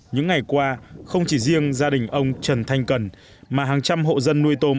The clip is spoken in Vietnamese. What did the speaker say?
những ngày qua không chỉ riêng gia đình ông trần thanh cần mà hàng trăm hộ dân nuôi tôm